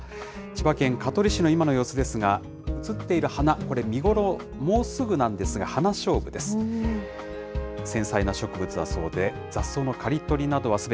千葉県香取市の今の様子ですが、映っている花、これ、見頃、もうすぐなんですが、ハナショウブです。